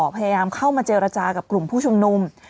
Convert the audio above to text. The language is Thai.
พยายามเข้ามาเจรจากับกลุ่มผู้ชุมนุม